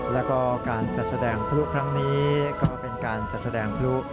แล้วก็การจัดแสดงพลุครั้งนี้ก็เป็นการจัดแสดงพลุ